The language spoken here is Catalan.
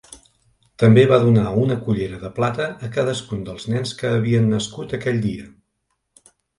També va donar una cullera de plata a cadascun dels nens que havien nascut aquell dia.